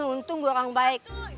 untung gue orang baik